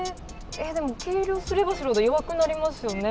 でも軽量すればするほど弱くなりますよね。